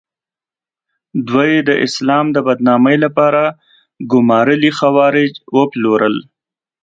دوی د اسلام د بدنامۍ لپاره ګومارلي خوارج وپلورل.